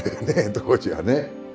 当時はね。